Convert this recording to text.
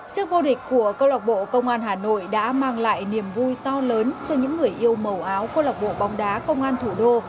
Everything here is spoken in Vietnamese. chức vô địch của công loại bộ công an hà nội đã mang lại niềm vui to lớn cho những người yêu màu áo công loại bộ bóng đá công an thủ đô